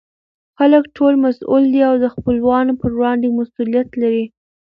خلکو ټول مسئوول دي او دخپلوانو په وړاندې مسئولیت لري.